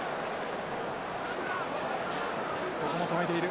ここも止めている。